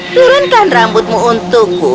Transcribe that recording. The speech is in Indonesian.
turunkan rambutmu untukku